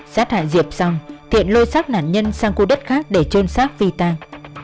sát hại diệp xong thiện lôi sát nạn nhân sang cua đất khác để trôn sát phi tan